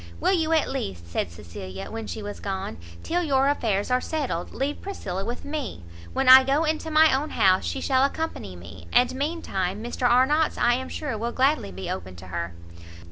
"Will you at least," said Cecilia, when she was gone, "till your affairs are settled, leave Priscilla with me? When I go into my own house, she shall accompany me, and mean time Mr Arnott's I am sure will gladly be open to her."